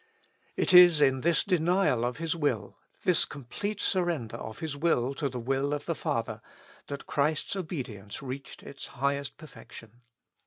It is in this denial of His will, this complete sur render of His will to the will of the Father, that Christ's obedience reached its highest perfection.